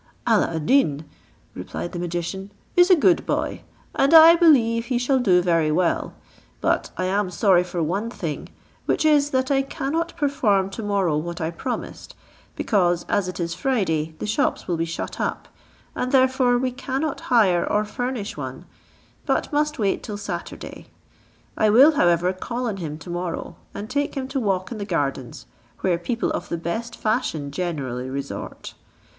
"Alla ad Deen," replied the magician, "is a good boy, and I believe we shall do very well; but I am sorry for one thing, which is, that I cannot perform to morrow what I promised, because, as it is Friday, the shops will be shut up, and therefore we cannot hire or furnish one, but must wait till Saturday. I will, however, call on him to morrow and take him to walk in the gardens, where people of the best fashion generally resort.